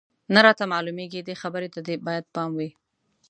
نه راته معلومېږي، دې خبرې ته دې باید پام وي.